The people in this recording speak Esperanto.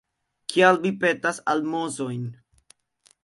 Kial vi petas almozojn?